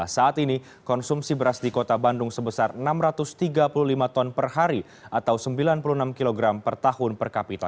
saat ini konsumsi beras di kota bandung sebesar enam ratus tiga puluh lima ton per hari atau sembilan puluh enam kg per tahun per kapita